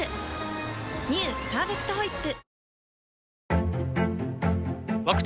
「パーフェクトホイップ」